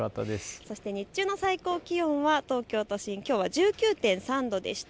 日中の最高気温は東京都心、きょうは１９．３度でした。